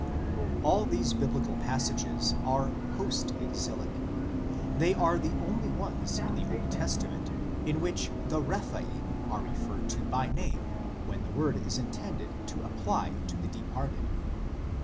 ..." All these Biblical passages are post exilic ; they are the only ones in the Old Testament in which the Rephaim are referred to by name when the word is intended to apply to the departed.